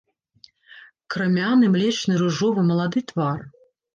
Крамяны, млечны, ружовы, малады твар.